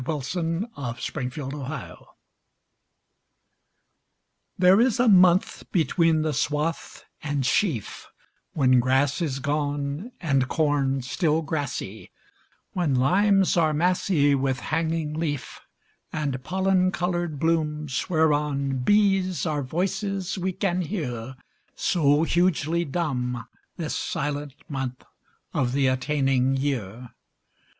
Michael Field July THERE is a month between the swath and sheaf When grass is gone And corn still grassy; When limes are massy With hanging leaf, And pollen coloured blooms whereon Bees are voices we can hear, So hugely dumb This silent month of the attaining year.